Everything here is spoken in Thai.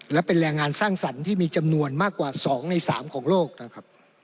และเป็นแรงงานสร้างสรรค์ที่มีจำนวนมากกว่า๒ใน๓ของโลกนะครับ